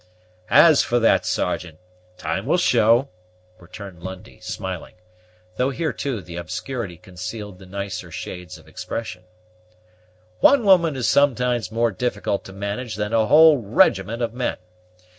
"As for that, Sergeant, time will show," returned Lundie, smiling; though here, too, the obscurity concealed the nicer shades of expression; "one woman is sometimes more difficult to manage than a whole regiment of men.